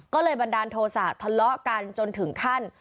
ก็เลยบันดาลโทษะทะเลาะกันจนถึงขั้น